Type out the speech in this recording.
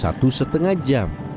waktu setengah jam